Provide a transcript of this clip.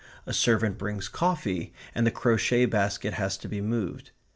A servant brings coffee, and the crochet basket has to be moved.